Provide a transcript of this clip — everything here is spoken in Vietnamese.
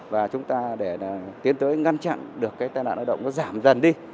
và chúng ta để tiến tới ngăn chặn được cái tai nạn lao động nó giảm dần đi